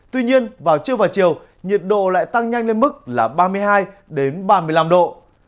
tuy nhiên vào trưa và chiều nhiệt độ lại tăng nhanh lên mức là ba mươi hai ba mươi năm độ